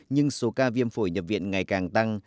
nhưng số ca viêm phổi nhập viện ngày càng tăng